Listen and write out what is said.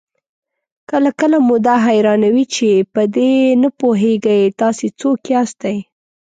کله کله مو دا حيرانوي چې په دې نه پوهېږئ تاسې څوک ياستئ؟